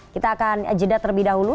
kita akan jeda terlebih dahulu